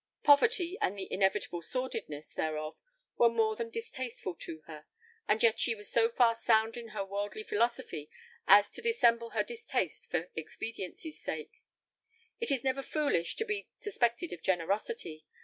Poverty and the inevitable sordidness thereof were more than distasteful to her, and yet she was so far sound in her worldly philosophy as to dissemble her distaste for expediency's sake. It is never foolish to be suspected of generosity.